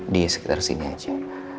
di sekitar sini aja